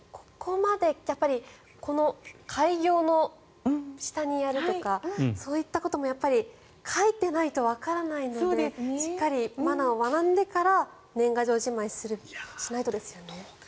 この改行の下にやるとかそういったことも書いていないとわからないのでしっかりマナーを学んでから年賀状じまいをしないとですよね。